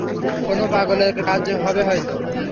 কোনো পাগলের কাজ হবে হয়তো।